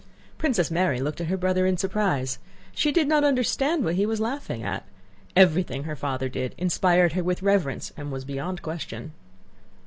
Princess Mary looked at her brother in surprise. She did not understand what he was laughing at. Everything her father did inspired her with reverence and was beyond question.